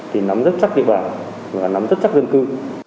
thì nắm rất chắc địa bàn và nắm rất chắc dân cư